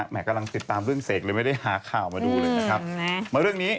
แหมกำลังติดตามเรื่องเศกเลยไม่ได้หาข่าวมาดูเลยนะครับ